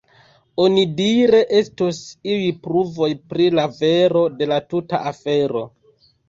Onidire estos iuj pruvoj pri la vero de la tuta afero.